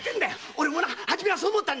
俺も初めはそう思った。